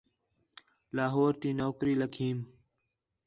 لاہور تی نوکری لَکھیئم